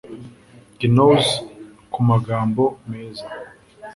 gnaws kumagambo meza